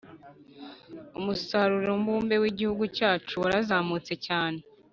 Umusaruro mbumbe w’igihugu cyacu warazamutse cyane